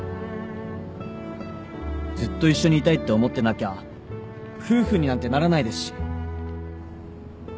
ずっと一緒にいたいって思ってなきゃ夫婦になんてならないですし